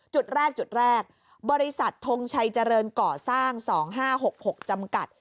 จุดแรกจุดแรกบริษัททงชัยเจริญก่อสร้าง๒๕๖๖จำกัด